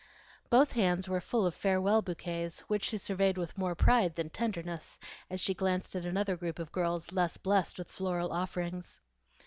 Both hands were full of farewell bouquets, which she surveyed with more pride than tenderness as she glanced at another group of girls less blessed with floral offerings.